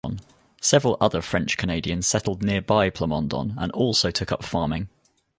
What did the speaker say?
Several other French-Canadians settled near by Plamondon and also took up farming.